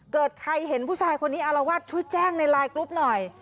เกิดใครเห็นผู้ชายคนนี้อารวาสช่วยแจ้งในไลน์กรุ๊ปหน่อย